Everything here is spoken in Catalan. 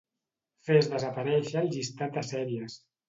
Fes desaparèixer el llistat de sèries.